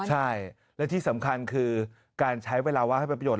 ใช่และที่สำคัญคือการใช้เวลาว่างให้ประโยชน